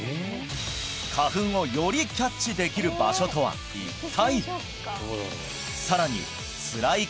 花粉をよりキャッチできる場所とは一体？